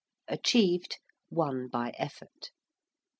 ~achieved~: won by effort.